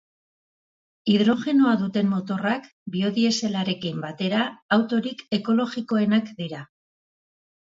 Hidrogenoa duten motorrak, biodieselarekin batera autorik ekologikoenak dira.